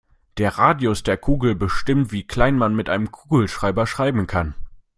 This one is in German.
Der Radius der Kugel bestimmt, wie klein man mit einem Kugelschreiber schreiben kann.